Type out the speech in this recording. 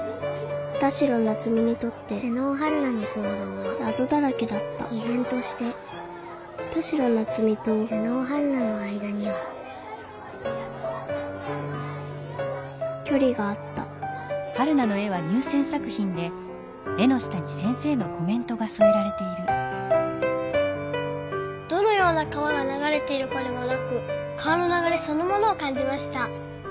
田代ナツミにとって妹尾陽菜のこうどうはなぞだらけだったいぜんとして田代ナツミと妹尾陽菜の間にはきょりがあった「どのような川が流れているかではなく川の流れそのものを感じました。